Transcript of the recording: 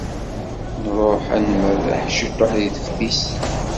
Nruḥ ad nmerreḥ ciṭuḥ deg teftist.